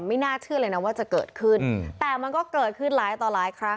ไม่น่าเชื่อเลยนะว่าจะเกิดขึ้นแต่มันก็เกิดขึ้นหลายต่อหลายครั้ง